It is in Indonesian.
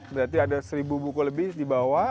berarti ada seribu buku lebih dibawa